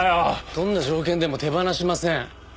どんな条件でも手放しません。